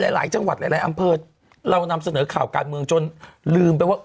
หลายจังหวัดหลายอำเภอเรานำเสนอข่าวการเมืองจนลืมไปว่า